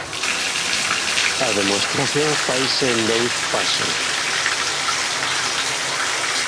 A demostración faise en dous pasos.